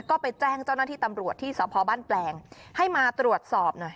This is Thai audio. ก็ไปแจ้งเจ้าหน้าที่ตำรวจที่สพบ้านแปลงให้มาตรวจสอบหน่อย